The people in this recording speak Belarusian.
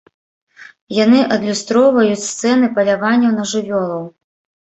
Яны адлюстроўваюць сцэны паляванняў на жывёлаў.